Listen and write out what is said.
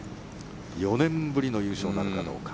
４年ぶりの優勝なるかどうか。